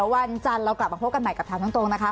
วันจันทร์เรากลับมาพบกันใหม่กับถามตรงนะคะ